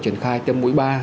triển khai tiêm mũi ba